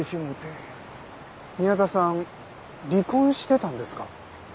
宮田さん離婚してたんですか？